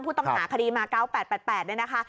ผู้ต้องหาคดีมา๙๘๘เนี่ยนะคะ